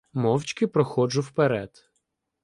Мовчки проходжу вперед.